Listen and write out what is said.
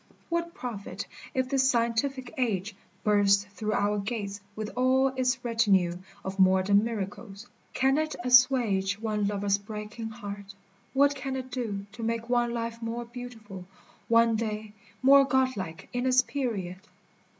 What profit if this scientific age Burst through our gates with all its retinue Of modern miracles ! Can it assuage One lover's breaking heart ? what can it do To make one life more beautiful, one day More godlike in its period